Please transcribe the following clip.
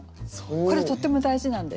これとっても大事なんですよ。